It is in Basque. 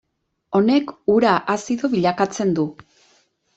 Honek ura azido bilakatzen du.